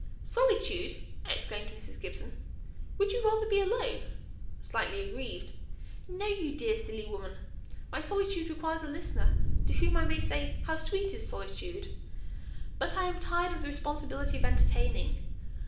"Solitude!" exclaimed Mrs. Gibson. "Would you rather be alone?" slightly aggrieved. "No, you dear silly woman; my solitude requires a listener, to whom I may say, 'How sweet is solitude!' But I am tired of the responsibility of entertaining.